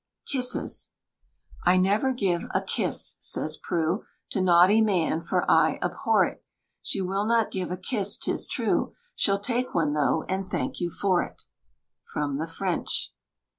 KISSES. "I never give a kiss," says Prue, "To naughty man, for I abhor it." She will not give a kiss, 'tis true, She'll take one, though, and thank you for it. FROM THE FRENCH.